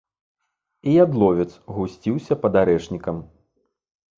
І ядловец гусціўся пад арэшнікам.